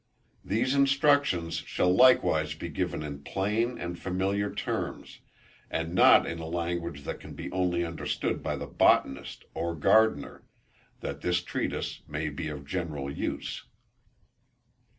These instructions shall likewise be given in plain and familiar terms, and not in a language that can be only understood by the Botanist or Gardener, that this Treatise may be of general use.